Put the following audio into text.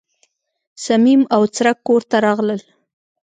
صمیم او څرک کور ته راغلل.